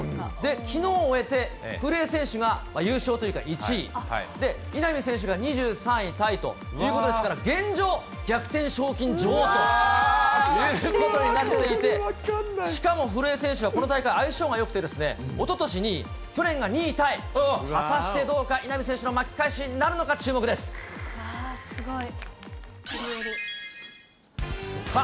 きのうを終えて、古江選手が優勝というか、１位、稲見選手が２３位タイということですから、現状、逆転賞金女王ということになっていて、しかも古江選手はこの大会、相性がよくて、おととしに、去年が２位タイ、果たしてどうか、稲見選手の巻き返しなるのか、すごい。さあ、